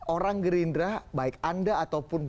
orang gerindra baik anda ataupun